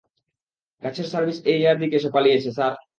কাছের সার্ভিস এরিয়ার দিকে সে পালিয়েছে স্যার।